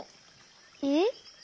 えっ？